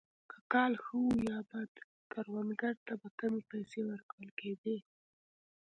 که کال ښه وو یا بد کروندګرو ته به کمې پیسې ورکول کېدې.